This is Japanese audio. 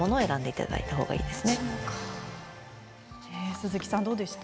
鈴木さん、どうでした？